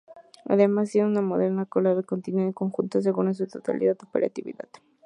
Además tiene una moderna colada continua, que en conjunto aseguran su total operatividad.